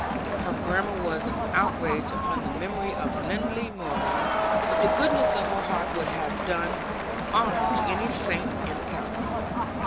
Her grammar was an outrage upon the memory of Lindley Murray, but the goodness of her heart would have done honor to any saint in the calendar.